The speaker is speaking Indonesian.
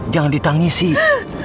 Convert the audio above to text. jangan ditangis sih